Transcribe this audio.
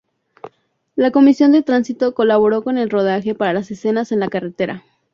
La Comisión de Tránsito colaboró con el rodaje para las escenas en la carretera.